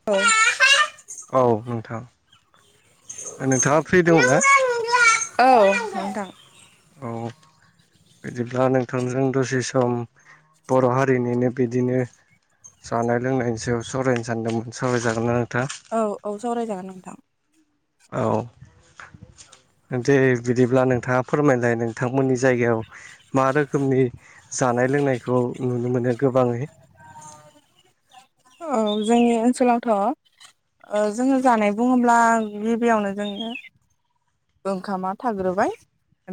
[unintelligible] औ नोंथां नोंथाङा फ्रि दं ना? औ नोंथां औ बिदिब्ला नोंथांजों दसे सम बर' हारिनिनो बिदिनो जानाय लोंनायनि सायाव सावरायनो सानदोंमोन सावरायजागोनना नोंथा? औ औ सावरायजागोन नोंथां औ दे बिदिब्ला नोंथाङा फोरमायलाय नोंथांमोननि जायगायाव मा रोखोमनि जानाय लोंनायखौ नुनो मोनो गोबाङै औ जोंनि ओनसोलावथ' ओ जोङो जानाय बुङोब्ला गिबियावनो जोङो ओंखामा थाग्रोबाय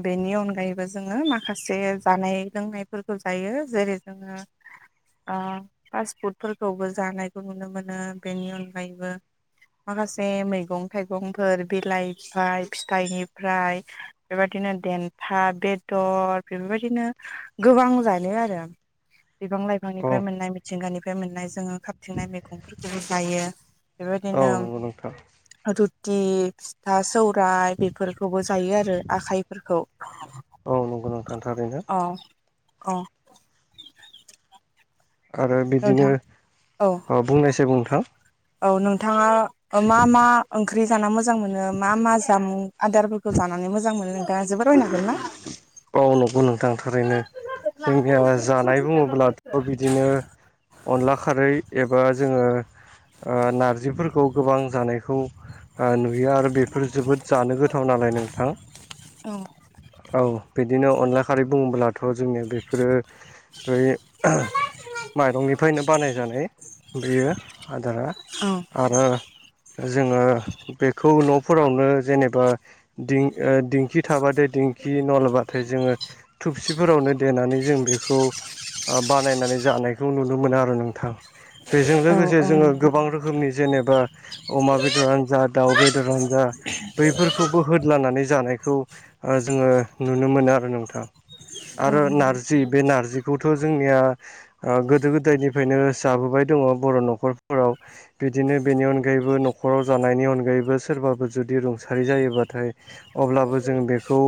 बेनि अनगायैबो जोङो माखासे जानाय लोंनायफोरखौ जायो जेरै जोङो फास्ट फुड फोरखौबो जानायखौ नुनो मोनो बेनि अनगायैबो माखासे मैगं थाइगंफोर बिलाइफ्राय फिथाइनिफ्राय बेबायदिनो देन्था बेदर बेफोरबायदिनो गोबां जायो आरो [inaudible] बिफां औ लाइफांनिफ्राय मोननाय मिथिंगानिफ्राय मोननाय जोङो खाथिंनाय मैगंफोरखौबो जायो औ नंगौ नोंथां बेबायदिनो फिथा सौराइ बेफोरखौबो जायो आरो आखायफोरखौ औ नंगौ नोंथां थारैनो औ औ आरो बिदिनो नोंथां औ बुंनायसाय नोंथां औ नोंथाङा मा मा ओंख्रि जान मोजां मोनो मा मा जामुं आदारफोरखौ जानानै मोजां मोनो दा जोबोर रायनो हागोन ना औ नंगौ नोंथां औ थारैनो औ जोंनिया जानाय बुङोब्लाथ' बिदिनो अनला खारै एबा जोङो ओ नारजिफोरखौ गोबां जानायखौ ओ नुयो आरो बेफोर जोबोद जानो गोथाव नालाय नोंथां औ बिदिनो अनला खारै बुङोब्लाथ' जोंनिया बेफोरो बै माइरंनिफ्रायनो बानायजानाय बेयो आदारा आरो जोङो बेखौ न'फोरावनो जेनेबा दिं दिंखि थाबाथाय दिंखि नाथाय जोङो थुबसिफोरावनो देनानै जों बेखौ बानायनानै जानायखौ नुनो मोनो आरो नोंथां बेजों लोगोसे जोङो नंगौ गोबां रोखोमनि जेनेबा अमा बेदरानो जा दाउ बेदरानो जा बैफोरखौबो होदलानानै जानायखौ जोङो नुनो मोनो आरो नोंथां औ आरो नंगौ नारजि बे नारजिखौथ' जोंनिया गोदो गोदायनिफ्रायनो जाबोबाय दङ बर' न'खरफोराव बिदिनो बेनि अनगायैबो न'खराव जानायनि अनगायैबो सोरबाबो जुदि रुंसारि जायोबाथाय अब्लाबो जों बेखौ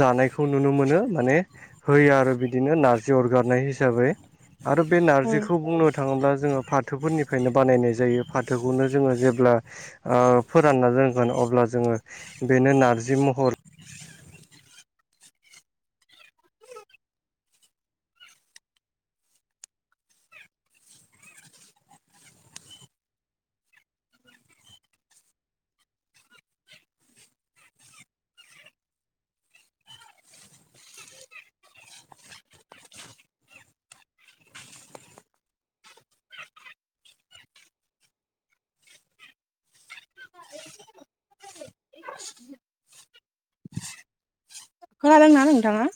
जानायखौ नुनो मोनो माने होयो आरो बिदिनो नारजि अरगारनाय हिसाबै आरो बे नारजिखौ बुंनो थाङोब्ला जोङो फाथोफोरनिफ्रायनो बानायनाय जायो फाथोखौनो जोङो जेब्ला ओ फोरानना दोनगोन अब्ला जोङो बेनो नारजि महर खोनादों ना नोंथाङा